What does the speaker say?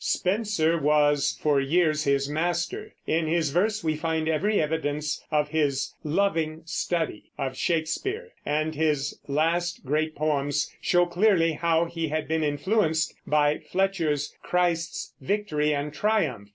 Spenser was for years his master; in his verse we find every evidence of his "loving study" of Shakespeare, and his last great poems show clearly how he had been influenced by Fletcher's Christ's Victory and Triumph.